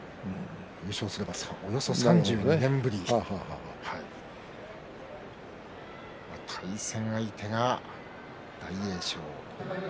優勝すれば、およそ３２年ぶり対戦相手が大栄翔。